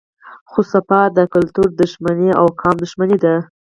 خو صفا د کلتور دښمني او قام دښمني ده